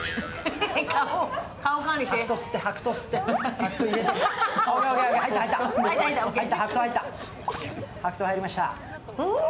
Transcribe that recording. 白桃、入りました。